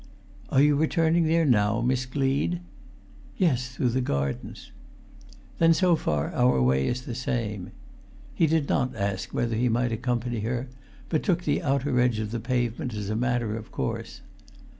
"Are you returning there now, Miss Gleed?" "Yes—through the gardens." "Then so far our way is the same." He did not ask whether he might accompany her, but took the outer edge of the pavement as a matter of course.